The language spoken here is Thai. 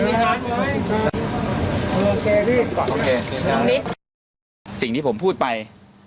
สวัสดีครับคุณผู้ชม